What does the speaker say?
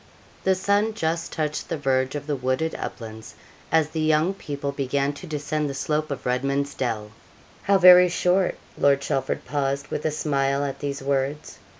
The sun just touched the verge of the wooded uplands, as the young people began to descend the slope of Redman's Dell. 'How very short!' Lord Chelford paused, with a smile, at these words.